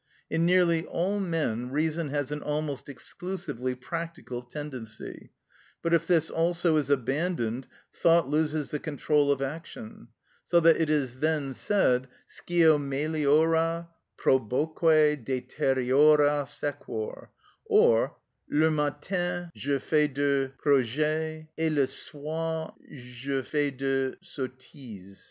In nearly all men reason has an almost exclusively practical tendency; but if this also is abandoned thought loses the control of action, so that it is then said, "Scio meliora, proboque, deteriora sequor," or "Le matin je fais des projets, et le soir je fais des sottises."